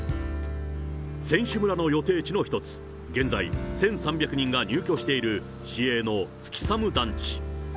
選手村の予定地の一つ、現在、１３００人が入居している市営の月寒団地。